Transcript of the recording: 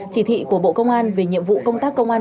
chỉ thị của bộ công an về nhiệm vụ công tác công an